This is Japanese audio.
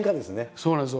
そうなんですよ。